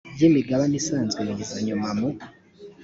y imigabane isanzwe biza nyuma mu